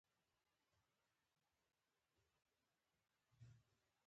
د ماښام لمانځه وخت نږدې و.